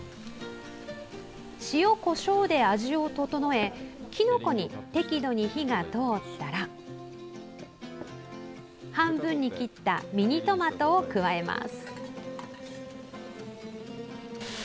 塩、こしょうで味を調えきのこに適度に火が通ったら半分に切ったミニトマトを加えます。